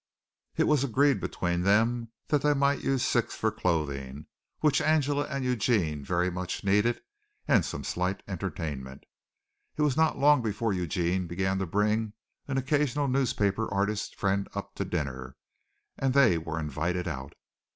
It was agreed between them that they might use six for clothing, which Angela and Eugene very much needed, and some slight entertainment. It was not long before Eugene began to bring an occasional newspaper artist friend up to dinner, and they were invited out.